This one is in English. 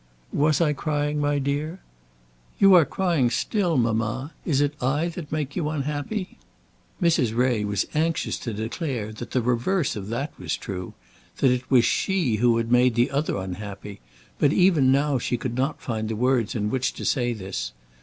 "Was I crying, my dear?" "You are crying still, mamma. Is it I that make you unhappy?" Mrs. Ray was anxious to declare that the reverse of that was true, that it was she who had made the other unhappy; but even now she could not find the words in which to say this.